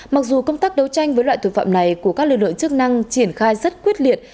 mặc dù công tác đấu tranh với loại tội phạm này của các lực lượng chức năng triển khai rất quyết liệt